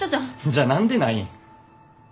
じゃあ何でない？